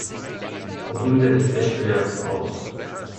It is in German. Runde des Wettbewerbs aus.